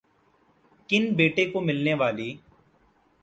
کن بیٹے کو ملنے والی